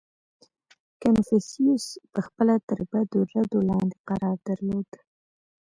• کنفوسیوس پهخپله تر بدو ردو لاندې قرار درلود.